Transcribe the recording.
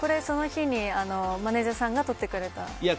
その日にマネジャーさんが撮ってくれたんです。